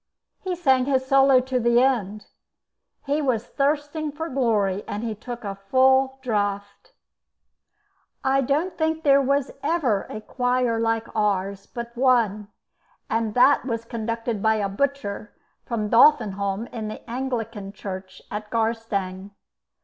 He sang his solo to the end. He was thirsting for glory, and he took a full draught. I don't think there was ever a choir like ours but one, and that was conducted by a butcher from Dolphinholm in the Anglican Church at Garstang.